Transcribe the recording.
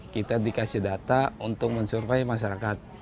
kita dikasih data untuk men survey masyarakat